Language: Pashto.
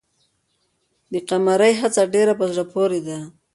د قمرۍ هڅه ډېره په زړه پورې ده.